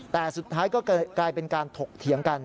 แต่สุดท้ายก็กลายเป็นการถกเถียงกัน